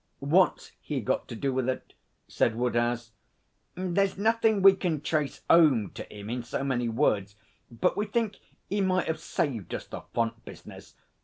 'What's he got to do with it?' said Woodhouse. 'There's nothin' we can trace 'ome to 'im in so many words, but we think he might 'ave saved us the font business.